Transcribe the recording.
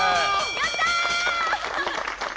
やったー！